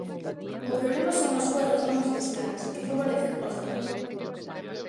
O problema son as súas reformas fiscais, que favorecen os de arriba.